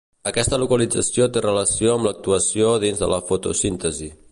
Aquesta localització té relació amb l'actuació dins de la fotosíntesi.